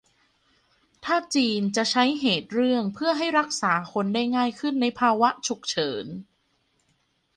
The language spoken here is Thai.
ถ้าจีนจะใช้เหตุเรื่องเพื่อให้รักษาคนได้ง่ายขึ้นในภาวะฉุกเฉิน